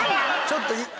ちょっと」